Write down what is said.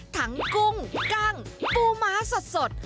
ทั้งกุ้งกล้างปูม้าสด